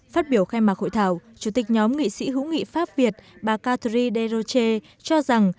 phát biểu khai mạc hội thảo chủ tịch nhóm nghị sĩ hữu nghị pháp việt bà katri deroche cho rằng